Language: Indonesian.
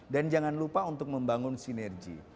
dan jangan lupa untuk membangun sinergi